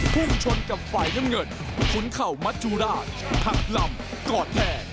พุ่งชนกับฝ่ายน้ำเงินขุนเข่ามัจจุราชหักลำกอดแทง